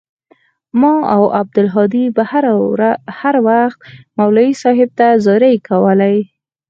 ما او عبدالهادي به هروخت مولوى صاحب ته زارۍ کولې.